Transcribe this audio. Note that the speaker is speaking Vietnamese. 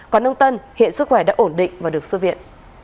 còn ông tân hiện sức khỏe đã ổn định và được xuất viện